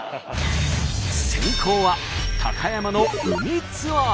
先攻は高山の海ツアー。